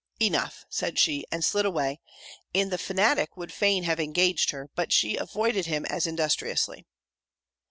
'Enough!' said she, and slid away; and the Fanatic would fain have engaged her, but she avoided him as industriously.